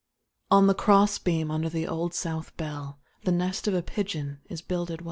On the cross beam under the Old South bell The nest of a pigeon is builded well.